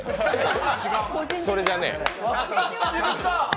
それじゃねぇ。